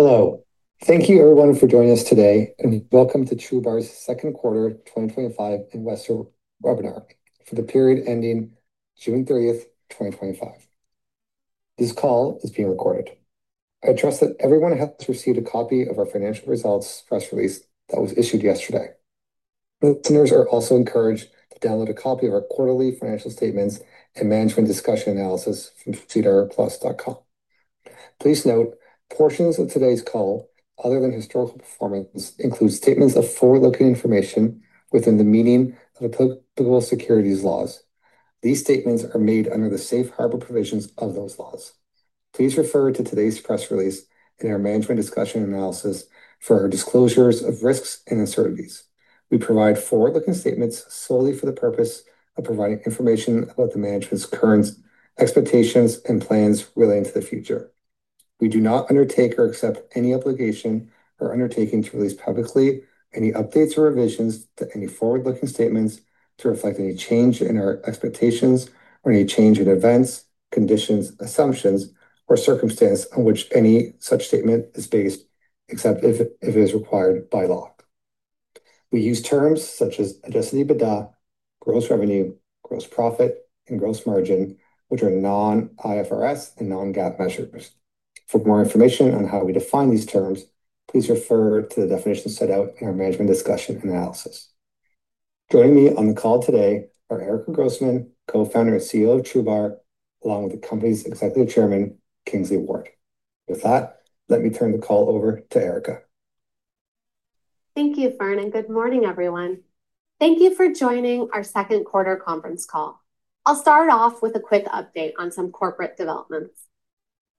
Hello, thank you everyone for joining us today. Welcome to TRUBAR's second quarter 2025 investor webinar for the period ending June 30th, 2025. This call is being recorded. I address that everyone has received a copy of our financial results press release that was issued yesterday. Entrepreneurs are also encouraged to download a copy of our quarterly financial statements and management discussion analysis from TRUBAR.com. Please note portions of today's call, other than historical performance, include statements of forward-looking information within the meaning of applicable securities laws. These statements are made under the safe harbor provisions of those laws. Please refer to today's press release and our management discussion analysis for our disclosures of risks and uncertainties. We provide forward-looking statements solely for the purpose of providing information about the management's current expectations and plans relating to the future. We do not undertake or accept any obligation or undertaking to release publicly any updates or revisions to any forward-looking statements to reflect any change in our expectations or any change in events, conditions, assumptions, or circumstances on which any such statement is based, except if it is required by law. We use terms such as adjusted EBITDA, gross revenue, gross profit, and gross margin, which are non-IFRS and non-GAAP measures. For more information on how we define these terms, please refer to the definitions set out in our management discussion analysis. Joining me on the call today are Erica Groussman, Co-Founder and CEO of TRUBAR Inc., along with the company's Executive Chairman, Kingsley Ward. With that, let me turn the call over to Erica. Thank you, Farhan, and good morning, everyone. Thank you for joining our second quarter conference call. I'll start off with a quick update on some corporate developments.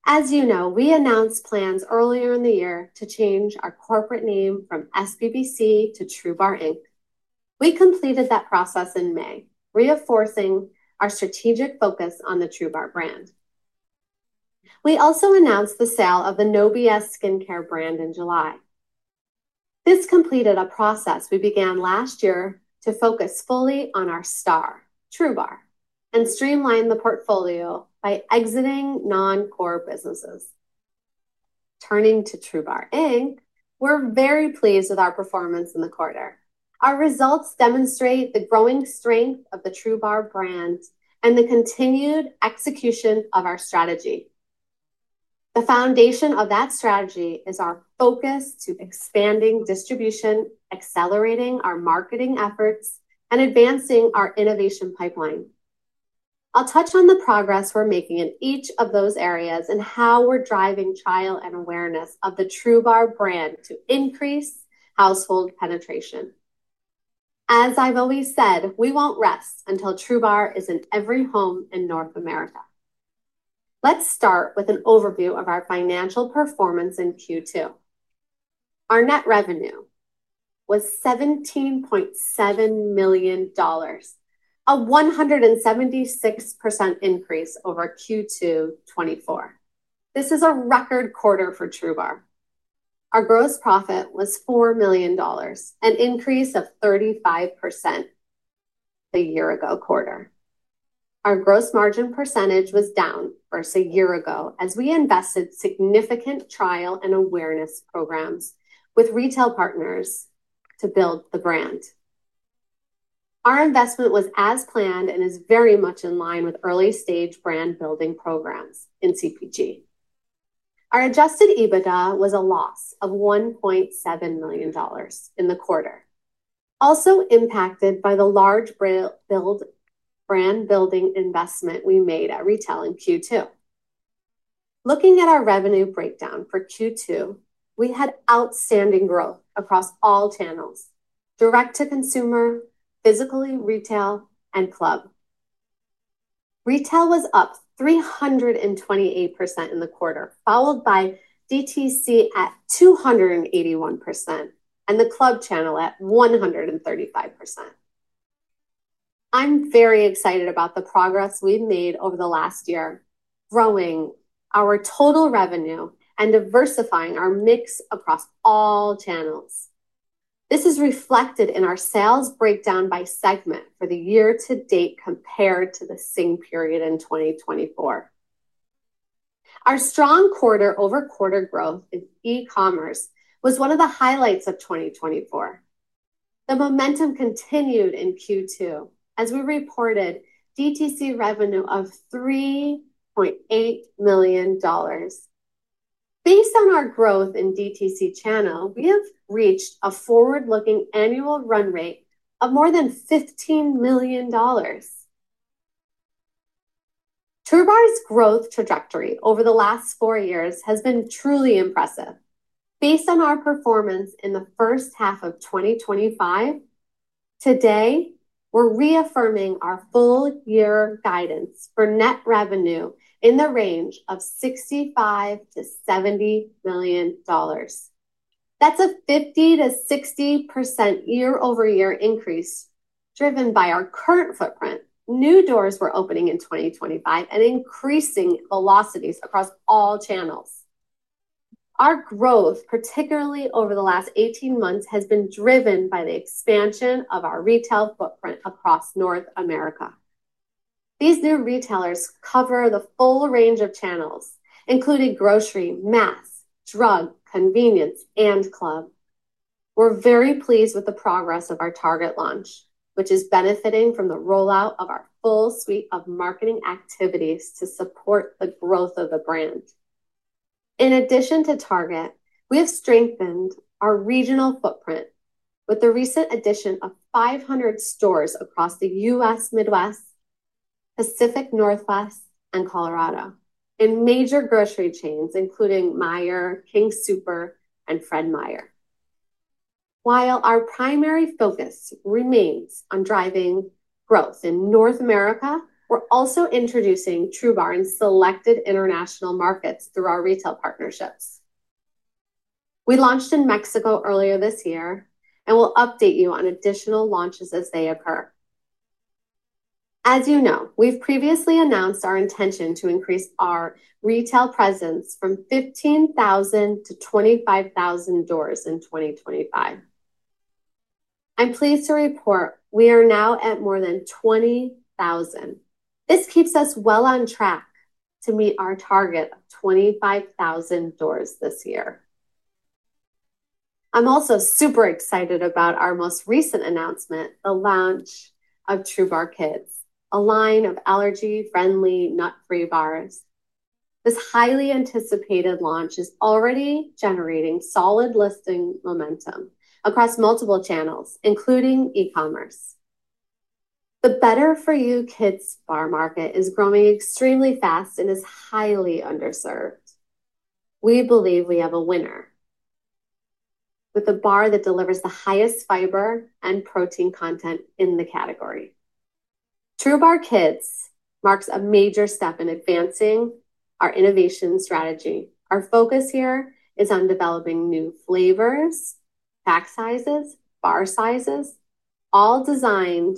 As you know, we announced plans earlier in the year to change our corporate name from SBBC to TRUBAR Inc. We completed that process in May, reinforcing our strategic focus on the TRUBAR brand. We also announced the sale of the No B.S. Skincare brand in July. This completed a process we began last year to focus fully on our star, TRUBAR, and streamline the portfolio by exiting non-core businesses. Turning to TRUBAR Inc., we're very pleased with our performance in the quarter. Our results demonstrate the growing strength of the TRUBAR brand and the continued execution of our strategy. The foundation of that strategy is our focus to expanding distribution, accelerating our marketing efforts, and advancing our innovation pipeline. I'll touch on the progress we're making in each of those areas and how we're driving trial and awareness of the TRUBAR brand to increase household penetration. As I've always said, we won't rest until TRUBAR is in every home in North America. Let's start with an overview of our financial performance in Q2. Our net revenue was $17.7 million, a 176% increase over Q2 2024. This is a record quarter for TRUBAR. Our gross profit was $4 million, an increase of 35% compared to the year-ago quarter. Our gross margin percentage was down versus a year ago as we invested significant trial and awareness programs with retail partners to build the brand. Our investment was as planned and is very much in line with early-stage brand-building programs in CPG. Our adjusted EBITDA was a loss of $1.7 million in the quarter, also impacted by the large brand-building investment we made at retail in Q2. Looking at our revenue breakdown for Q2, we had outstanding growth across all channels: DTC, physical retail, and club. Retail was up 328% in the quarter, followed by DTC at 281% and the club channel at 135%. I'm very excited about the progress we've made over the last year, growing our total revenue and diversifying our mix across all channels. This is reflected in our sales breakdown by segment for the year to date compared to the same period in 2024. Our strong quarter-over-quarter growth in e-commerce was one of the highlights of 2024. The momentum continued in Q2 as we reported DTC revenue of $3.8 million. Based on our growth in the DTC channel, we have reached a forward-looking annual run rate of more than $15 million. TRUBAR's growth trajectory over the last four years has been truly impressive. Based on our performance in the first half of 2025, today we're reaffirming our full-year guidance for net revenue in the range of $65 million-$70 million. That's a 50%-60% year-over-year increase driven by our current footprint. New doors are opening in 2025 and increasing velocities across all channels. Our growth, particularly over the last 18 months, has been driven by the expansion of our retail footprint across North America. These new retailers cover the full range of channels, including grocery, mass, drug, convenience, and club. We're very pleased with the progress of our Target launch, which is benefiting from the rollout of our full suite of marketing activities to support the growth of the brand. In addition to Target, we have strengthened our regional footprint with the recent addition of 500 stores across the U.S. Midwest, Pacific Northwest, and Colorado, and major grocery chains including Meijer, King Soopers, and Fred Meyer. While our primary focus remains on driving growth in North America, we're also introducing TRUBAR in selected international markets through our retail partnerships. We launched in Mexico earlier this year, and we'll update you on additional launches as they occur. As you know, we've previously announced our intention to increase our retail presence from 15,000 to 25,000 doors in 2025. I'm pleased to report we are now at more than 20,000. This keeps us well on track to meet our target of 25,000 doors this year. I'm also super excited about our most recent announcement, the launch of TRUBAR KiDS, a line of allergy-friendly, nut-free bars. This highly anticipated launch is already generating solid listing momentum across multiple channels, including e-commerce. The better-for-you kids' bar market is growing extremely fast and is highly underserved. We believe we have a winner with a bar that delivers the highest fiber and protein content in the category. TRUBAR KiDS marks a major step in advancing our innovation strategy. Our focus here is on developing new flavors, pack sizes, and bar sizes, all designed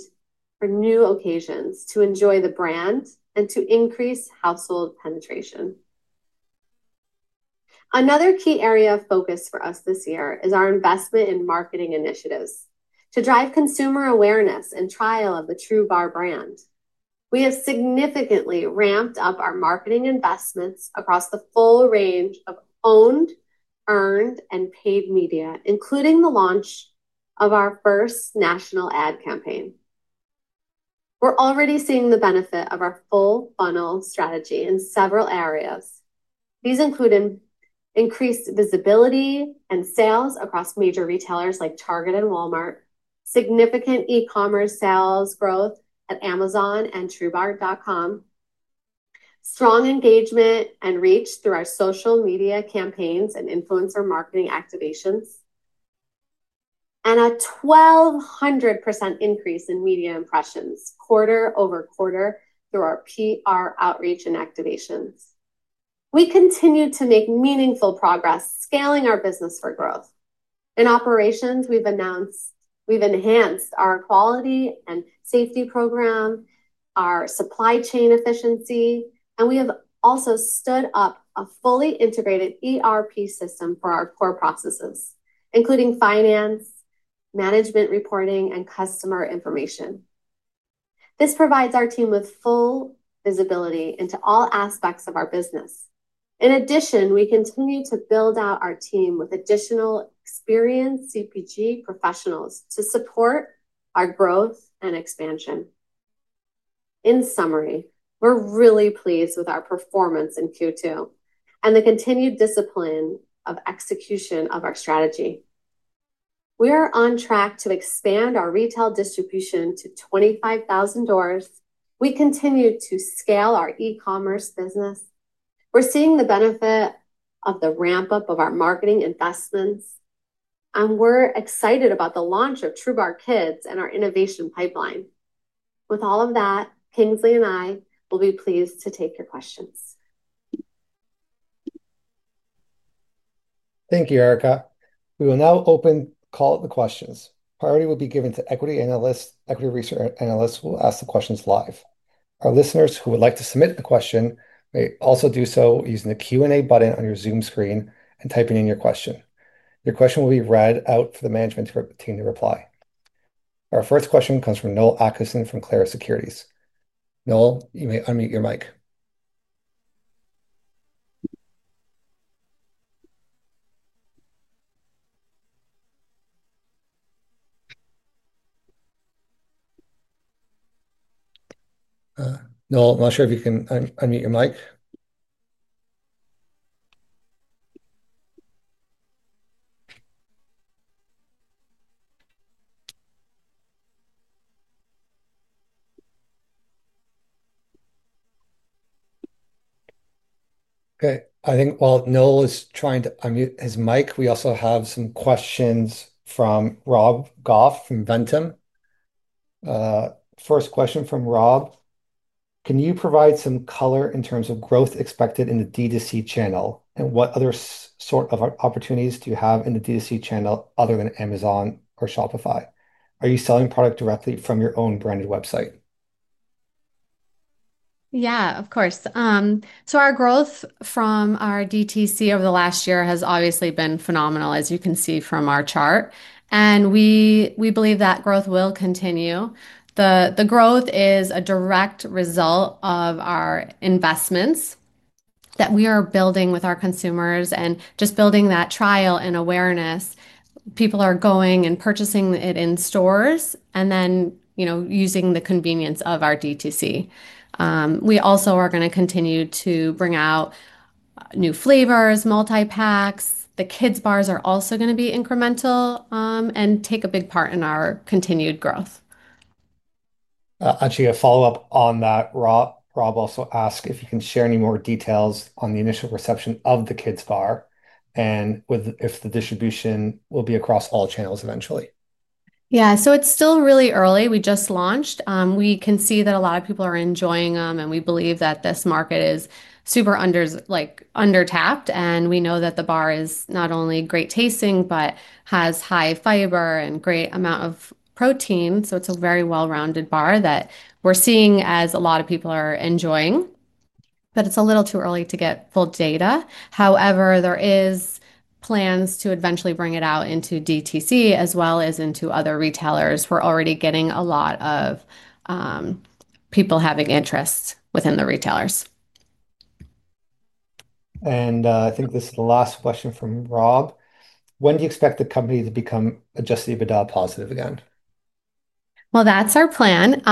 for new occasions to enjoy the brand and to increase household penetration. Another key area of focus for us this year is our investment in marketing initiatives to drive consumer awareness and trial of the TRUBAR brand. We have significantly ramped up our marketing investments across the full range of owned, earned, and paid media, including the launch of our first national ad campaign. We're already seeing the benefit of our full funnel strategy in several areas. These include increased visibility and sales across major retailers like Target and Walmart, significant e-commerce sales growth at Amazon and TRUBAR.com, strong engagement and reach through our social media campaigns and influencer marketing activations, and a 1,200% increase in media impressions quarter-over-quarter through our PR outreach and activations. We continue to make meaningful progress, scaling our business for growth. In operations, we've enhanced our quality and safety program, our supply chain efficiency, and we have also stood up a fully integrated ERP system for our core processes, including finance, management reporting, and customer information. This provides our team with full visibility into all aspects of our business. In addition, we continue to build out our team with additional experienced CPG professionals to support our growth and expansion. In summary, we're really pleased with our performance in Q2 and the continued discipline of execution of our strategy. We are on track to expand our retail distribution to 25,000 doors. We continue to scale our e-commerce business. We're seeing the benefit of the ramp-up of our marketing investments, and we're excited about the launch of TRUBAR KiDS and our innovation pipeline. With all of that, Kingsley and I will be pleased to take your questions. Thank you, Erica. We will now open the call to questions. Priority will be given to equity analysts. Equity research analysts will ask the questions live. Our listeners who would like to submit a question may also do so using the Q&A button on your Zoom screen and typing in your question. Your question will be read out for the management to obtain your reply. Our first question comes from Noel Atkinson from Clarus Securities. Noel, you may unmute your mic. Noel, I'm not sure if you can unmute your mic. I think while Noel is trying to unmute his mic, we also have some questions from Rob Goff from Ventum. First question from Rob: Can you provide some color in terms of growth expected in the DTC channel, and what other sort of opportunities do you have in the DTC channel other than Amazon or Shopify? Are you selling product directly from your own branded website? Of course. Our growth from our DTC over the last year has obviously been phenomenal, as you can see from our chart. We believe that growth will continue. The growth is a direct result of our investments that we are building with our consumers and just building that trial and awareness. People are going and purchasing it in stores and then, you know, using the convenience of our DTC. We also are going to continue to bring out new flavors, multi-packs. The KiDS bars are also going to be incremental and take a big part in our continued growth. Actually, a follow-up on that, Rob also asked if you can share any more details on the initial reception of the TRUBAR KiDS bar and if the distribution will be across all channels eventually. Yeah, it's still really early. We just launched. We can see that a lot of people are enjoying them, and we believe that this market is super under-tapped. We know that the bar is not only great tasting but has high fiber and a great amount of protein. It's a very well-rounded bar that we're seeing as a lot of people are enjoying. It's a little too early to get full data. However, there are plans to eventually bring it out into DTC as well as into other retailers. We're already getting a lot of people having interests within the retailers. I think this is the last question from Rob: When do you expect the company to become adjusted EBITDA positive again? That is our plan.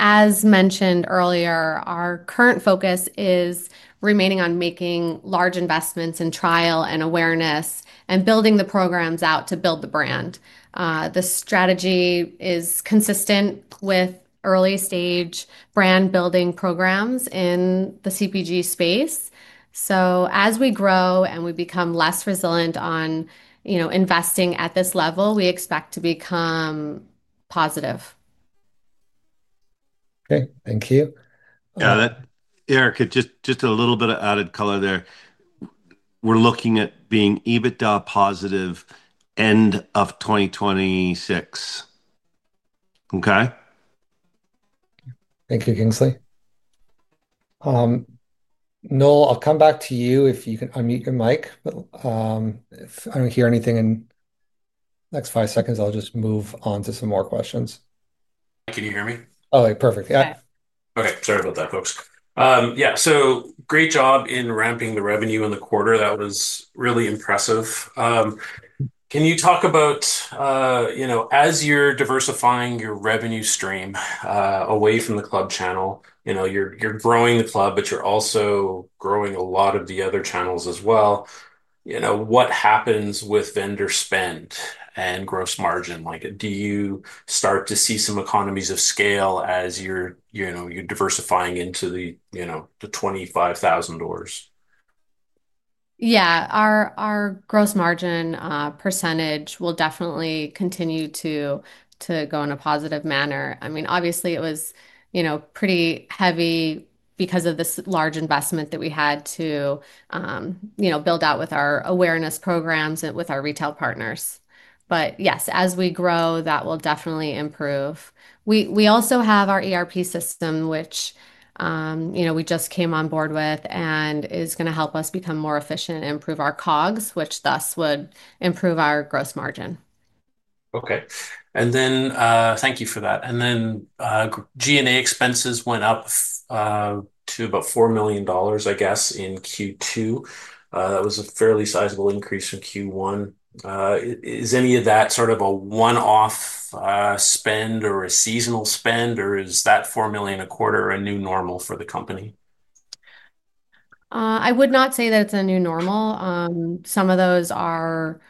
As mentioned earlier, our current focus is remaining on making large investments in trial and awareness and building the programs out to build the brand. The strategy is consistent with early-stage brand-building programs in the CPG space. As we grow and we become less resilient on, you know, investing at this level, we expect to become positive. Okay, thank you. Yeah, Erica, just a little bit of added color there. We're looking at being EBITDA positive end of 2026. Okay, thank you, Kingsley. Noel, I'll come back to you if you can unmute your mic. If I don't hear anything in the next five seconds, I'll just move on to some more questions. Can you hear me? Oh, perfect. Yeah. Okay, sorry about that, folks. Yeah, great job in ramping the revenue in the quarter. That was really impressive. Can you talk about, you know, as you're diversifying your revenue stream away from the club channel, you're growing the club, but you're also growing a lot of the other channels as well. What happens with vendor spend and gross margin? Do you start to see some economies of scale as you're diversifying into the 25,000 doors? Yeah, our gross margin percentage will definitely continue to go in a positive manner. Obviously, it was pretty heavy because of this large investment that we had to build out with our awareness programs and with our retail partners. Yes, as we grow, that will definitely improve. We also have our ERP system, which we just came on board with and is going to help us become more efficient and improve our COGs, which thus would improve our gross margin. Okay, thank you for that. G&A expenses went up to about $4 million, I guess, in Q2. That was a fairly sizable increase from Q1. Is any of that sort of a one-off spend or a seasonal spend, or is that $4 million a quarter a new normal for the company? I would not say that it's a new normal. Some of those are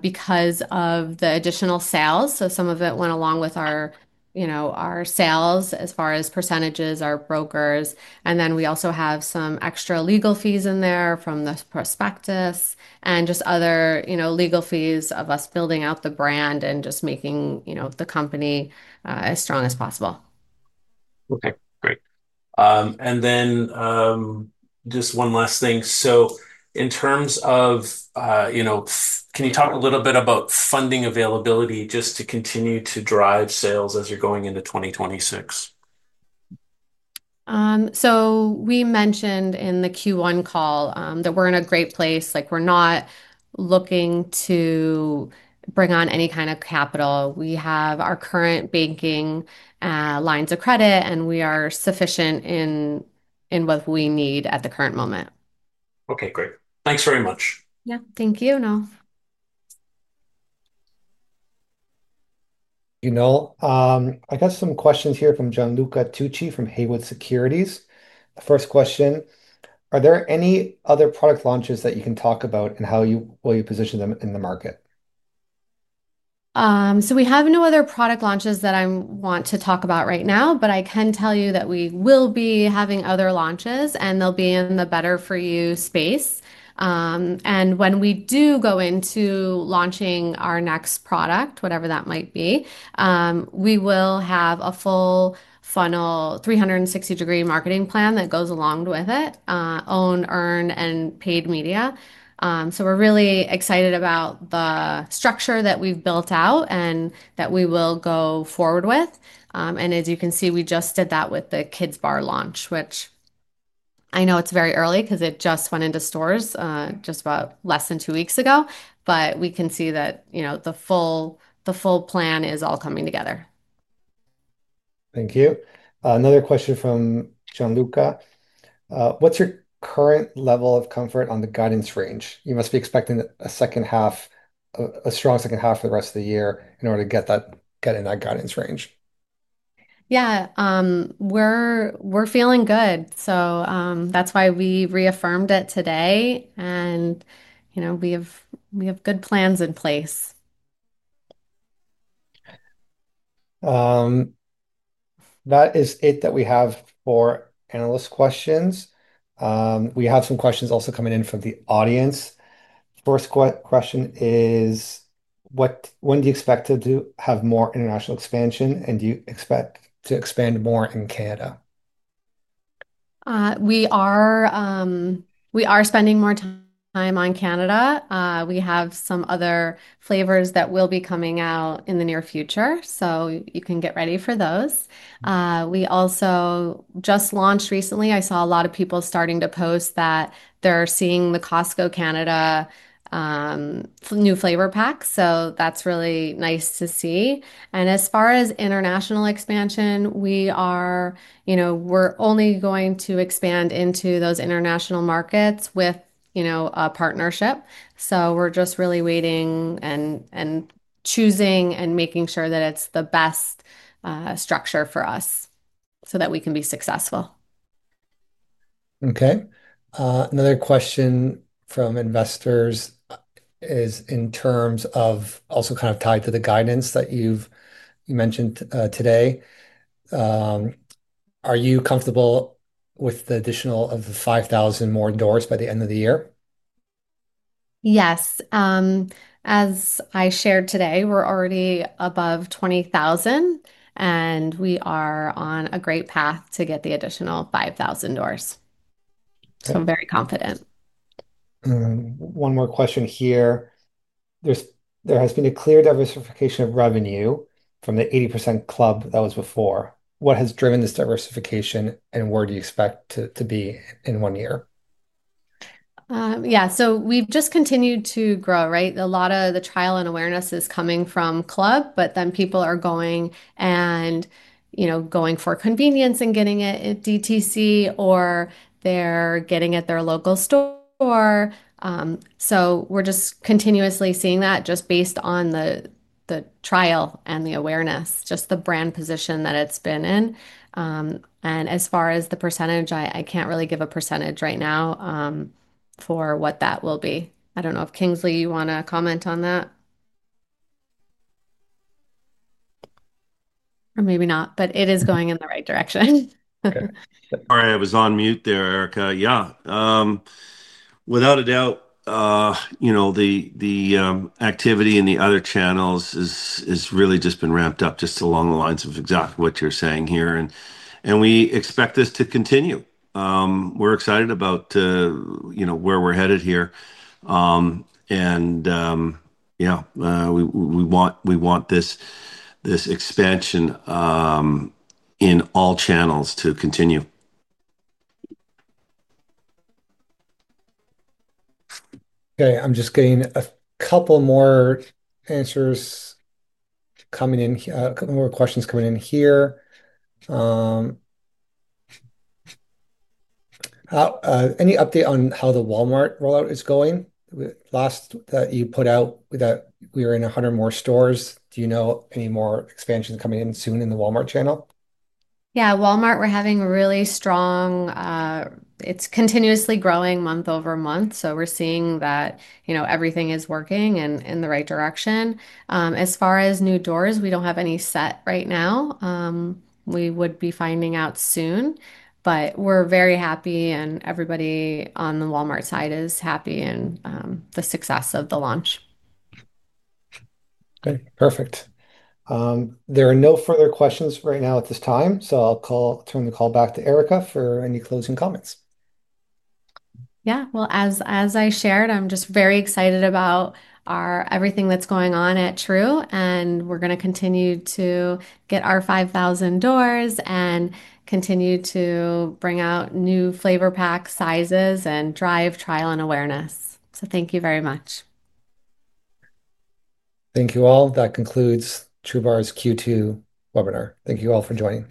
because of the additional sales. Some of it went along with our sales as far as percentage, our brokers. We also have some extra legal fees in there from the prospectus and just other legal fees of us building out the brand and just making the company as strong as possible. Okay, great. Just one last thing. In terms of, you know, can you talk a little bit about funding availability just to continue to drive sales as you're going into 2026? We mentioned in the Q1 call that we're in a great place. We're not looking to bring on any kind of capital. We have our current banking lines of credit, and we are sufficient in what we need at the current moment. Okay, great. Thanks very much. Yeah, thank you, Noel. You know, I got some questions here from Gianluca Tucci from Haywood Securities. First question: Are there any other product launches that you can talk about, and how will you position them in the market? We have no other product launches that I want to talk about right now, but I can tell you that we will be having other launches, and they'll be in the better-for-you space. When we do go into launching our next product, whatever that might be, we will have a full funnel, 360-degree marketing plan that goes along with it, owned, earned, and paid media. We're really excited about the structure that we've built out and that we will go forward with. As you can see, we just did that with the KiDS launch, which I know it's very early because it just went into stores just about less than two weeks ago. We can see that the full plan is all coming together. Thank you. Another question from Gianluca. What's your current level of comfort on the guidance range? You must be expecting a strong second half for the rest of the year in order to get in that guidance range. Yeah, we're feeling good. That's why we reaffirmed it today, and we have good plans in place. That is it that we have for analyst questions. We have some questions also coming in from the audience. First question is, when do you expect to have more international expansion, and do you expect to expand more in Canada? We are spending more time on Canada. We have some other flavors that will be coming out in the near future, so you can get ready for those. We also just launched recently. I saw a lot of people starting to post that they're seeing the Costco Canada new flavor pack, so that's really nice to see. As far as international expansion, we are only going to expand into those international markets with a partnership. We are just really waiting and choosing and making sure that it's the best structure for us so that we can be successful. Okay. Another question from investors is in terms of also kind of tied to the guidance that you've mentioned today. Are you comfortable with the addition of the 5,000 more doors by the end of the year? Yes. As I shared today, we're already above 20,000, and we are on a great path to get the additional 5,000 doors. I'm very confident. One more question here. There has been a clear diversification of revenue from the 80% club that was before. What has driven this diversification, and where do you expect to be in one year? Yeah, we've just continued to grow, right? A lot of the trial and awareness is coming from club, but then people are going and, you know, going for convenience and getting it at DTC, or they're getting it at their local store. We're just continuously seeing that based on the trial and the awareness, just the brand position that it's been in. As far as the %, I can't really give a % right now for what that will be. I don't know if Kingsley, you want to comment on that, or maybe not, but it is going in the right direction. Sorry, I was on mute there, Erica. Yeah, without a doubt, the activity in the other channels has really just been ramped up just along the lines of exactly what you're saying here. We expect this to continue. We're excited about where we're headed here, and we want this expansion in all channels to continue. Okay, I'm just getting a couple more answers coming in, a couple more questions coming in here. Any update on how the Walmart rollout is going? Last that you put out that we are in 100 more stores. Do you know any more expansions coming in soon in the Walmart channel? Yeah, Walmart, we're having a really strong, it's continuously growing month over month. We're seeing that everything is working in the right direction. As far as new doors, we don't have any set right now. We would be finding out soon. We're very happy, and everybody on the Walmart side is happy in the success of the launch. Okay, perfect. There are no further questions right now at this time. I'll turn the call back to Erica for any closing comments. As I shared, I'm just very excited about everything that's going on at TRUBAR. We're going to continue to get our 5,000 doors and continue to bring out new flavor pack sizes and drive trial and awareness. Thank you very much. Thank you all. That concludes TRUBAR's Q2 webinar. Thank you all for joining.